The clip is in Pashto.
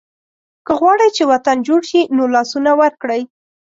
که غواړئ چې وطن جوړ شي نو لاسونه ورکړئ.